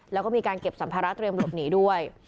แล้วก็มีการเก็บสัมภาระเตรียมหลบหนีด้วย